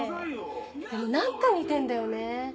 でも何か似てんだよね。